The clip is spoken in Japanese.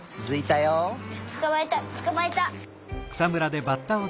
つかまえたつかまえた！